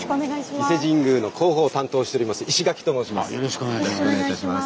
伊勢神宮の広報を担当しております石垣と申します。